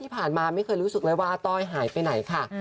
ยากมากนะคุณผู้ชมนะคะ